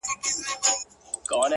ورځي و میاشتي غم” هم کال په کال دي وکړ”